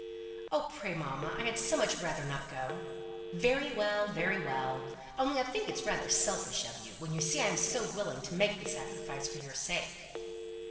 "Oh, pray, mamma! I had so much rather not go!" "Very well! very well! Only I think it is rather selfish of you, when you see I am so willing to make the sacrifice for your sake."